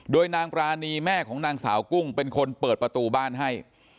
โดยนางปรานีแม่ของนางสาวกุ้งเป็นคนเปิดประตูบ้านให้